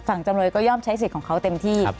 จำเลยก็ย่อมใช้สิทธิ์ของเขาเต็มที่